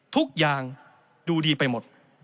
ทุกอย่างดูดีไปหมด